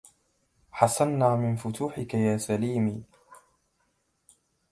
حصلنا من فتوحك يا سليمى